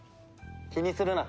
気にするな。